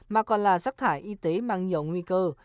mà còn là rác thải y tế mang nhiều nguy cơ